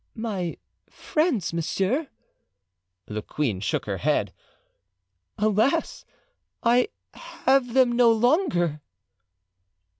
"My friends, monsieur?" The queen shook her head. "Alas, I have them no longer!"